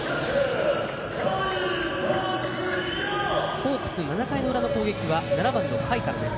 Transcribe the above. ホークス７回裏の攻撃は７番の甲斐からです。